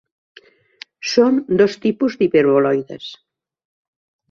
Són dos tipus d'hiperboloides.